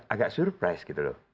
agak surprise gitu loh